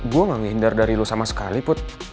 gue gak nghindar dari lo sama sekali putri